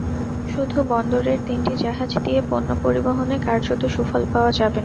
শুধু বন্দরের তিনটি জাহাজ দিয়ে পণ্য পরিবহনে কার্যত সুফল পাওয়া যাবে না।